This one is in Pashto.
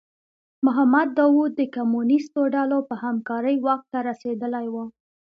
محمد داوود د کمونیستو ډلو په همکارۍ واک ته رسېدلی و.